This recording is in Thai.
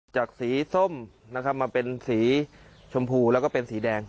จากสีส้มนะครับมาเป็นสีชมพูแล้วก็เป็นสีแดง